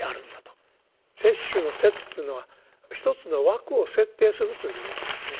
摂取の「摂」というのは一つの枠を設定するという意味ですね。